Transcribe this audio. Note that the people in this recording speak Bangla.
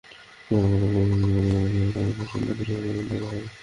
চুয়াডাঙ্গা জেলা পরিষদ নির্বাচনে প্রার্থীদের মধ্যে আগামীকাল সোমবার প্রতীক বরাদ্দ দেওয়া হবে।